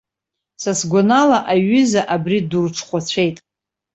Са сгәанала, аҩыза, абри дурҽхәацәеит.